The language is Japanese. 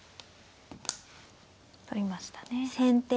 取りましたね。